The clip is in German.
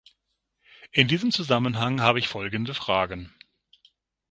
In diesem Zusammenhang habe ich folgende Fragen.